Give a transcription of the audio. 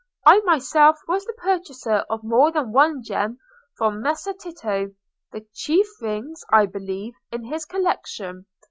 I myself was the purchaser of more than one gem from Messer Tito—the chief rings, I believe, in his collection.